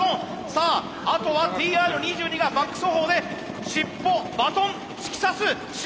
さああとはＴＲ２２がバック走法で尻尾バトン突き刺す瞬間！